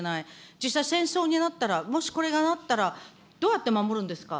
実際戦争になったら、もしこれがなったら、どうやって守るんですか。